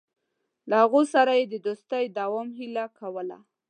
له هغوی سره یې د دوستۍ د دوام هیله کوله.